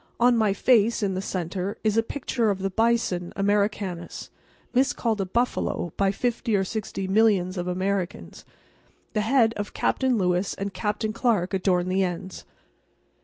On my face, in the centre, is a picture of the bison Americanus, miscalled a buffalo by fifty or sixty millions of Americans. The heads of Capt. Lewis and Capt. Clark adorn the ends.